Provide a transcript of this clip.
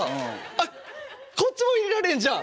あっこっちも入れられんじゃん。